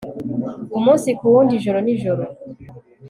Umunsi ku wundi ijoro nijoro